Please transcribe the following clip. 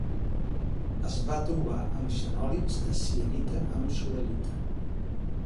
Es va trobar en xenòlits de sienita amb sodalita.